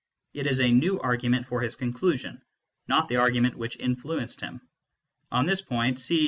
It is a new argument for his con clusion, not the argument which influenced him. On this point, see e.